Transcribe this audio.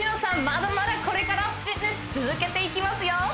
まだまだこれからフィットネス続けていきますよ